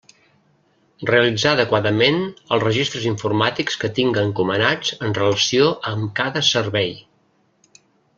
Realitzar adequadament els registres informàtics que tinga encomanats en relació amb cada servei.